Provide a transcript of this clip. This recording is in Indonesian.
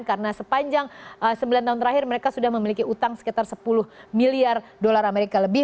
karena sepanjang sembilan tahun terakhir mereka sudah memiliki utang sekitar sepuluh miliar dolar amerika lebih